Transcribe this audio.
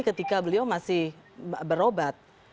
ketika beliau masih berobat